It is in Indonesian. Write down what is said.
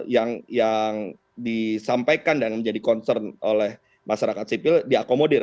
yang disampaikan dan menjadi concern oleh masyarakat sipil diakomodir